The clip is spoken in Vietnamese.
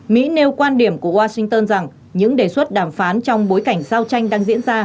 mỹ nêu quan điểm của washington rằng những đề xuất đàm phán trong bối cảnh giao tranh đang diễn ra